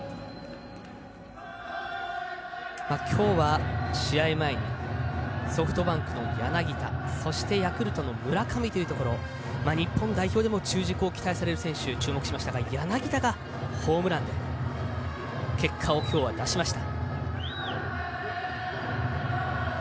きょうは試合前にソフトバンクの柳田そしてヤクルトの村上というところ日本代表でも中軸として期待されると注目しましたが柳田が、まずホームランで結果を出しました。